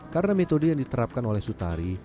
karena metode yang diterapkan oleh sutari